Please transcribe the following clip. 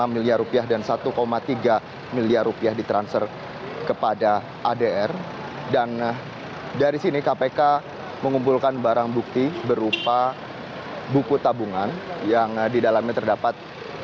lima miliar rupiah dan satu tiga miliar rupiah ditransfer kepada adr dan dari sini kpk mengumpulkan barang bukti berupa buku tabungan yang didalamnya terdapat